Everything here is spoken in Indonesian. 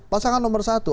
pasangan nomor satu